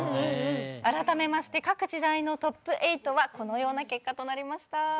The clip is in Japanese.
あらためまして各時代のトップ８はこのような結果となりました。